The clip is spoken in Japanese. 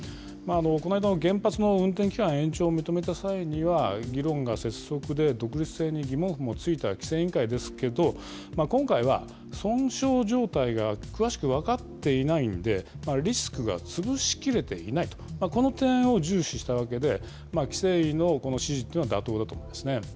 この間の原発の運転期間延長を認めた際には、議論が拙速で、独立性に疑問符もついた規制委員会ですけど、今回は損傷状態が詳しく分かっていないんで、リスクが潰しきれていないと、この点を重視したわけで、規制委のこの指示というのは妥当だと思いますね。